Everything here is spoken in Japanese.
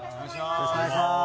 よろしくお願いします。